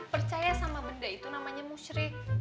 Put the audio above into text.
percaya sama benda itu namanya musyrik